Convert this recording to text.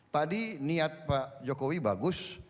tadi niat pak jokowi bagus